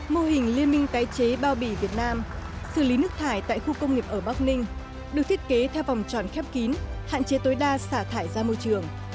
mô hình liên minh tái chế bao bì việt nam xử lý nước thải tại khu công nghiệp ở bắc ninh được thiết kế theo vòng tròn khép kín hạn chế tối đa xả thải ra môi trường